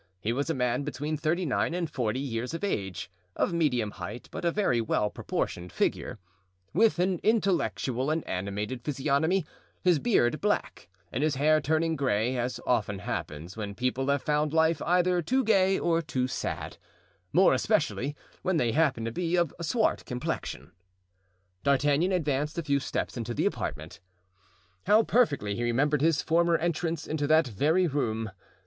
He was a man between thirty nine and forty years of age, of medium height but a very well proportioned figure; with an intellectual and animated physiognomy; his beard black, and his hair turning gray, as often happens when people have found life either too gay or too sad, more especially when they happen to be of swart complexion. D'Artagnan advanced a few steps into the apartment. How perfectly he remembered his former entrance into that very room!